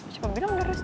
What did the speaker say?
coba bilang udah restu